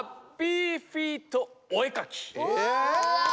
え？